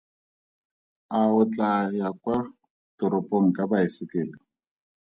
A o tlaa ya kwa toropong ka baesekele?